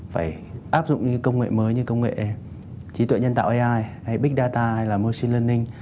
phải áp dụng những công nghệ mới như công nghệ trí tuệ nhân tạo ai hay big data hay là machine learning